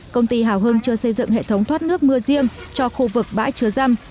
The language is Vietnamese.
công ty hào hưng chưa xây dựng hệ thống thoát nước mưa riêng cho khu vực bãi chứa răm